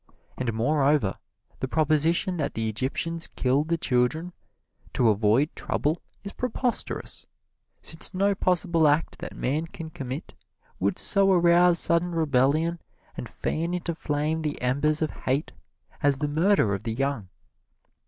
And moreover, the proposition that the Egyptians killed the children to avoid trouble is preposterous, since no possible act that man can commit would so arouse sudden rebellion and fan into flame the embers of hate as the murder of the young.